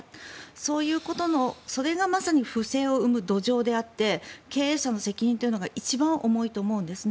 そういうことのそれがまさに不正を生む土壌であって経営者の責任というのが一番重いと思うんです。